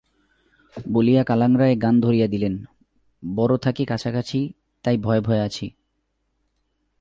বলিয়া কালাংড়ায় গান ধরিয়া দিলেন– বড়ো থাকি কাছাকাছি তাই ভয়ে ভয়ে আছি।